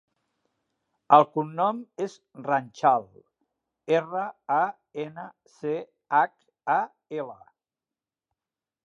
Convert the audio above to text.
El cognom és Ranchal: erra, a, ena, ce, hac, a, ela.